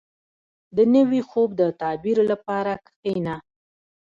• د نوي خوب د تعبیر لپاره کښېنه.